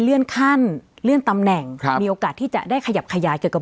เลื่อนขั้นเลื่อนตำแหน่งครับมีโอกาสที่จะได้ขยับขยายเกี่ยวกับ